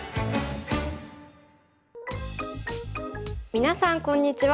皆さんこんにちは。